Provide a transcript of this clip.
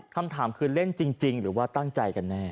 คำถามคือเล่นจริงหรือว่าตั้งใจกันแน่